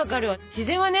自然はね